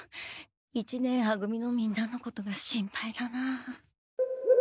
一年は組のみんなのことが心配だなあ。